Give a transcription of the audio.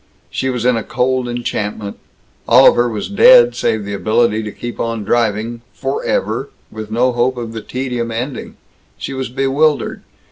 She was in a cold enchantment. All of her was dead save the ability to keep on driving, forever, with no hope of the tedium ending. She was bewildered.